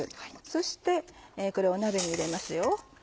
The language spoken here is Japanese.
そしてこれを鍋に入れますよ。